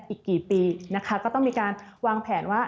อีกกี่ปีนะคะก็ต้องมีการวางแผนว่า